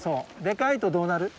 でかいとどうなる？